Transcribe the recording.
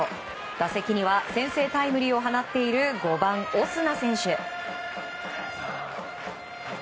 打席には先制タイムリーを放っている５番、オスナ選手。